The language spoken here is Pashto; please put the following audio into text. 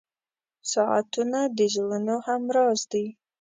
• ساعتونه د زړونو همراز دي.